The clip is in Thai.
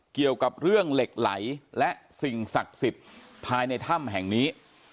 เกี่ยวกับเรื่องเหล็กไหลและสิ่งศักดิ์สิทธิ์ภายในถ้ำแห่งนี้